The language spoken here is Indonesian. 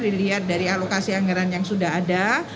dilihat dari alokasi anggaran yang sudah ada